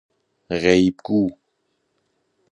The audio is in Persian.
غیب گو